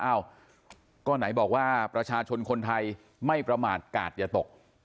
เอ้าก็ไหนบอกว่าประชาชนคนไทยไม่ประมาทกาดอย่าตก